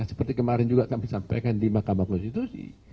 seperti kemarin juga kami sampaikan di mahkamah konstitusi